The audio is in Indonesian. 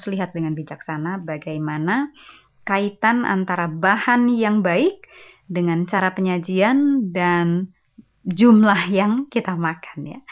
terus lihat dengan bijaksana bagaimana kaitan antara bahan yang baik dengan cara penyajian dan jumlah yang kita makan